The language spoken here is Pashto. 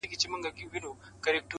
د زړه په هر درب كي مي ته اوســېږې.